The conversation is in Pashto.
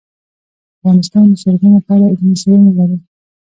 افغانستان د چرګانو په اړه علمي څېړنې لري.